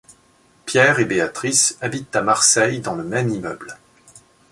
Pierre et Béatrice habitent à Marseille dans le même immeuble.